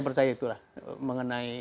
percaya itulah mengenai